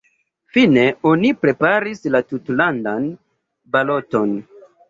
Fine oni preparis la tutlandan baloton.